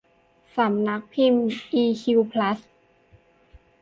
สำนักพิมพ์อีคิวพลัส